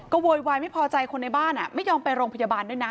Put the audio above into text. โวยวายไม่พอใจคนในบ้านไม่ยอมไปโรงพยาบาลด้วยนะ